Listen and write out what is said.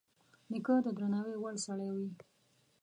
نیکه د درناوي وړ سړی وي.